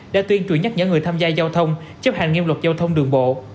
đã tuyên truyền nhắc nhớ người tham gia giao thông chấp hành nghiêm luật giao thông đường bộ